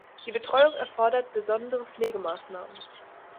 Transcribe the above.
Die Betreuung erfordert besondere Pflegemaßnahmen.